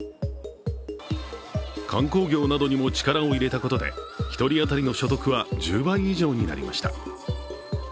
観光業などにも力を入れたことで１人当たりの所得は１０倍以上になりました。